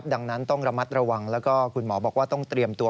ดังนั้นต้องระมัดระวังแล้วก็คุณหมอบอกว่าต้องเตรียมตัว